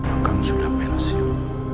a kang sudah pensiun